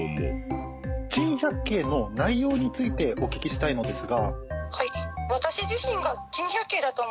珍百景の内容についてお聞きしたいのですが。